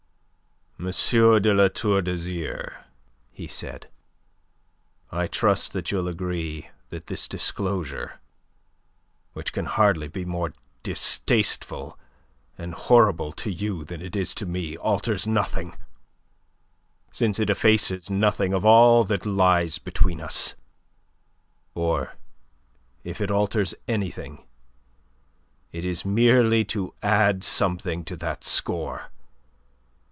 "M. de La Tour d'Azyr," he said, "I trust that you'll agree that this disclosure, which can hardly be more distasteful and horrible to you than it is to me, alters nothing, since it effaces nothing of all that lies between us. Or, if it alters anything, it is merely to add something to that score.